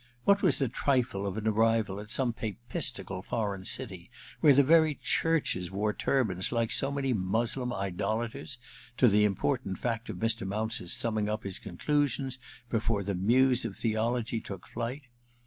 What was the trifle of an arrival at some Papistical foreign city, where the very churches wore turbans like so many Moslem idolators, to the important fact of Mr. Mounce's summing up his conclusions before the Muse of Theology took flight